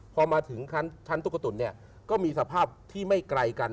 พอมาถึงชั้นตุ๊กตุ๋นเนี่ยก็มีสภาพที่ไม่ไกลกัน